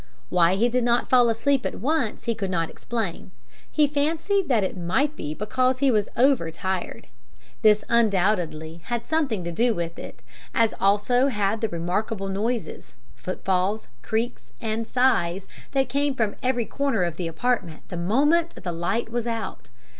"Why he did not fall asleep at once he could not explain; he fancied that it might be because he was overtired. This undoubtedly had something to do with it, as also had the remarkable noises footfalls, creaks, and sighs that came from every corner of the apartment the moment the light was out.